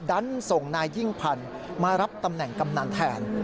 ดันส่งนายยิ่งพันธ์มารับตำแหน่งกำนันแทน